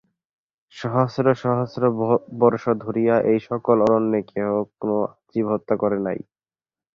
সহস্র সহস্র বর্ষ ধরিয়া এই সকল অরণ্যে কেহ কোন জীবহত্যা করে নাই।